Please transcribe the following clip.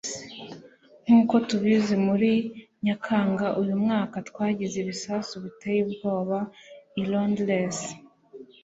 Nkuko tubizi muri Nyakanga uyu mwaka twagize ibisasu biteye ubwoba i Londres